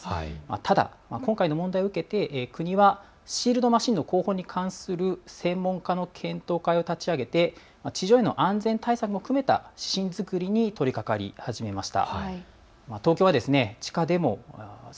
ただ、今回の影響を受けて国はシールドマシンの工法に関する専門家の検討会を立ち上げて地上への安全対策を含めた指針作りに取りかかり始めました。